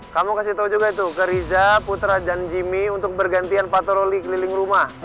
kamu kasih tau juga tuh ke riza putra dan jimmy untuk bergantian patroli keliling rumah